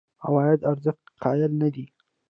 عوایدو ارزښت قایل نه دي.